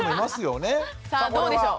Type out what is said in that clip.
さあどうでしょう？